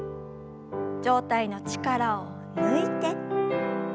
上体の力を抜いて。